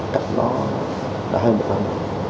cách đó đã hơn một năm